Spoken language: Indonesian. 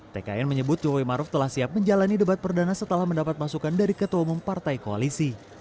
tkn menyebut jokowi maruf telah siap menjalani debat perdana setelah mendapat masukan dari ketua umum partai koalisi